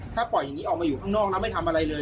ถ้าปล่อยอย่างนี้ออกมาอยู่ข้างนอกแล้วไม่ทำอะไรเลย